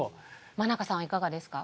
真中さんはいかがですか？